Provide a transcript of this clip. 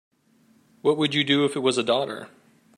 What would you do if it was a daughter?